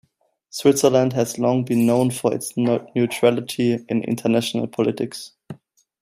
Switzerland has long been known for its neutrality in international politics.